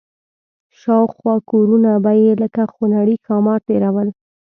شاوخوا کورونه به یې لکه خونړي ښامار تېرول.